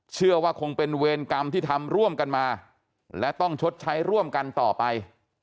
เชื่อว่าคงเป็นเวรกรรมที่ทำร่วมกันมาและต้องชดใช้ร่วมกันต่อไป